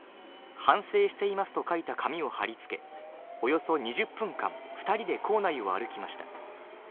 反省しています」と書いた紙を貼り付けおよそ２０分間、２人で校内を歩きました。